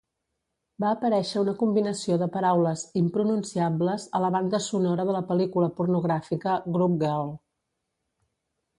Va aparèixer una combinació de paraules "impronunciables" a la banda sonora de la pel·lícula pornogràfica "Grub Girl".